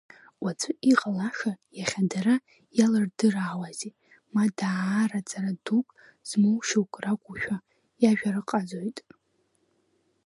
Уаҵәы иҟалаша, иахьа дара иалырдыраауазеи, ма даара ҵара дук змоу шьоук ракәушәа, иажәарҟазоит.